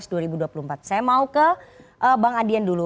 saya mau ke bang adian dulu